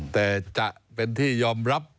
แต่จะเป็นที่ยอมรับ